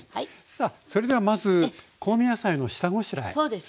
さあそれではまず香味野菜の下ごしらえですね。